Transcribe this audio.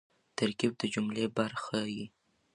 ترکیب د جملې برخه يي.